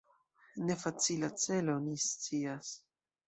Ne facila celo, ni scias.